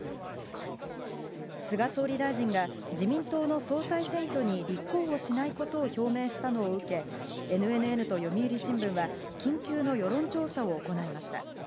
菅総理大臣が自民党の総裁選挙に立候補しないことを表明したのを受け、ＮＮＮと読売新聞は緊急の世論調査を行いました。